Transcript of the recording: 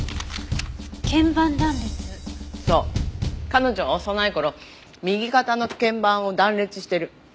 彼女は幼い頃右肩の腱板を断裂してる。